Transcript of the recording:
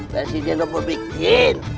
presiden apa bikin